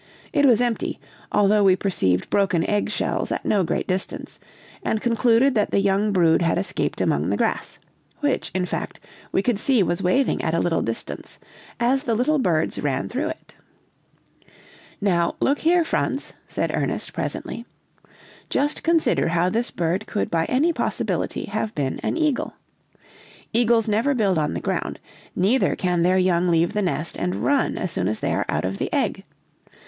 It was empty, although we perceived broken egg shells at no great distance, and concluded that the young brood had escaped among the grass, which, in fact, we could see was waving at a little distance, as the little birds ran through it. "'Now look here, Franz,' said Ernest, presently, 'just consider how this bird could by any possibility have been an eagle. Eagles never build on the ground, neither can their young leave the nest and run as soon as they are out of the egg.